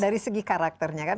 dari segi karakternya kan